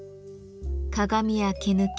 鏡や毛抜き